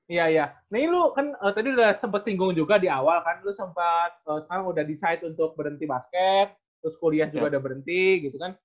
iya iya nah ini lu kan tadi udah sempet singgung juga di awal kan lu sempet sekarang udah decide untuk berhenti basket terus kuliah juga udah berhenti gitu kan